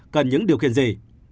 cần những điều kiện gì